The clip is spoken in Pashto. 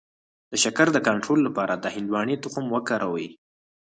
د شکر د کنټرول لپاره د هندواڼې تخم وکاروئ